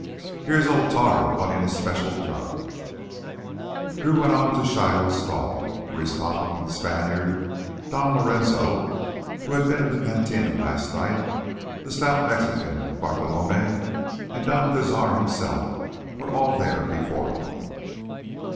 "Here's Ole Tar wantin' his special grub—" Drew went on to Shiloh's stall. Reese Topham, the Spaniard Don Lorenzo who had been in the cantina last night, the stout Mexican Bartolomé, and Don Cazar himself were all there before him.